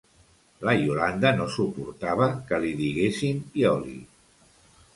La Iolanda no suportava que li diguessin Ioli.